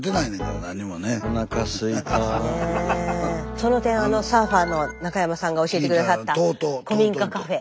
その点あのサーファーの中山さんが教えて下さった古民家カフェ。